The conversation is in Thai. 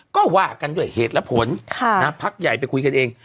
ก็ว่ากันด้วยเหตุและผลพักใหญ่ไปคุยกันเอง